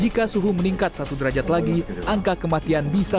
akan meningkatkan risiko kematian akibat kepanasan